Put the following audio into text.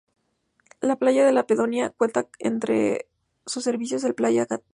Las playas de la pedanía cuentan entre sus servicios, el de la Playa Canina.